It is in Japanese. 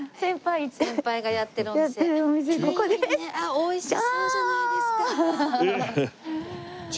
おいしそうじゃないですか。